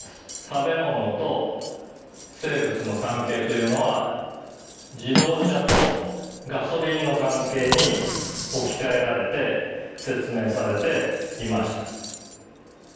食べものと生物の関係というのは自動車とガソリンの関係に置き換えられて説明されていました。